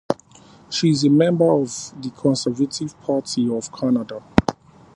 She is a member of the Conservative Party of Canada.